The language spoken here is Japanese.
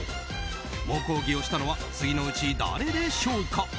猛抗議をしたのは次のうち、誰でしょうか？